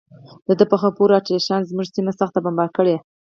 د ده په خبره اتریشیانو زموږ سیمه سخته بمباري کړې.